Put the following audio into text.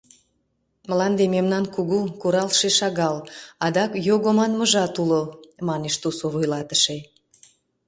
Мланде мемнан кугу, куралше шагал, адак «його» манмыжат уло, — манеш тусо вуйлатыше.